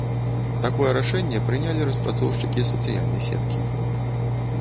Такое рашэнне прынялі распрацоўшчыкі сацыяльнай сеткі.